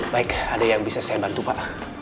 baik ada yang bisa saya bantu pak